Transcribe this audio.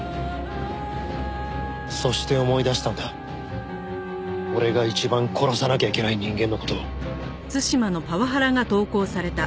そして思い出したんだ俺が一番殺さなきゃいけない人間の事を。